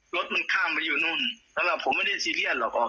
รถมันข้ามไปอยู่นู้นตลอดผมไม่ได้ซีเรียสหรอกอ่อ